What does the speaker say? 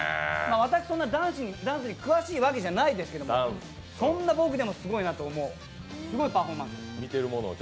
私、そんなにダンスに詳しいわけじゃないですけどそんな僕でもすごいなと思うすごいパフォーマンスです。